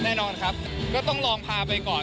แน่นอนครับก็ต้องลองพาไปก่อน